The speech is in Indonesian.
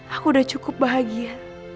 aku udah cukup bahagia